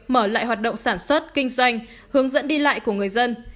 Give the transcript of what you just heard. mở lại hoạt động sản xuất kinh doanh hướng dẫn đi lại của người dân